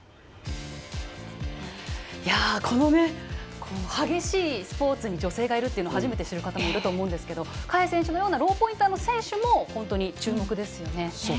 この激しいスポーツに女性がいるっていうのは初めて知る方もいると思うんですけど香衣選手のようなローポインターの選手にも注目ですよね。